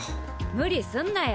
無理すんなよ。